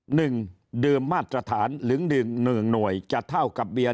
หนึ่งดื่มมาตรฐานหรือดื่มหนึ่งหน่วยจะเท่ากับเบียร์